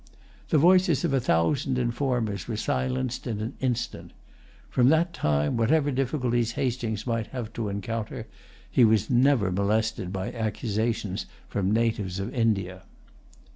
The voices of a thousand informers were silenced in an instant. From that time, whatever difficulties Hastings might have to encounter, he was never molested by accusations from natives of India.